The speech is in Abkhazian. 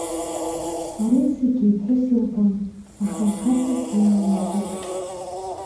Ари зегьы иԥҳәыс илбон, аха лхаҵа иалымҳәеит.